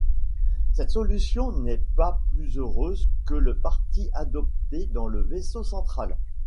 Cette solution n'est pas plus heureuse que le parti adopté dans le vaisseau central.